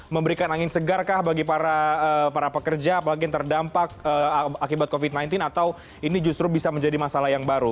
memberikan angin segarkah bagi para pekerja apalagi yang terdampak akibat covid sembilan belas atau ini justru bisa menjadi masalah yang baru